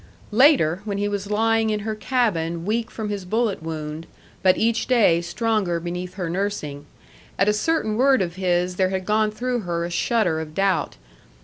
Later, when he was lying in her cabin weak from his bullet wound, but each day stronger beneath her nursing, at a certain word of his there had gone through her a shudder of doubt.